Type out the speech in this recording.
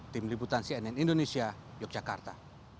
tim liputan cnn indonesia yogyakarta